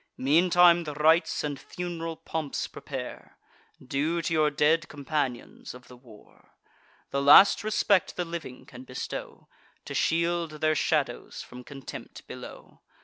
Meantime the rites and fun'ral pomps prepare, Due to your dead companions of the war: The last respect the living can bestow, To shield their shadows from contempt below.